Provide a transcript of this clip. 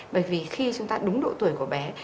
bởi vì khi chúng ta đúng độ tuổi của bé